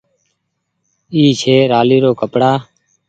اي ڇي رآلي رو ڪپڙآ۔